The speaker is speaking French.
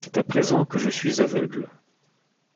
C’est à présent que je suis aveugle.